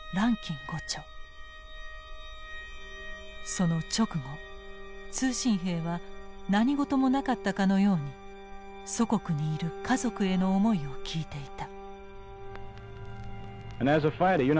その直後通信兵は何事もなかったかのように祖国にいる家族への思いを聞いていた。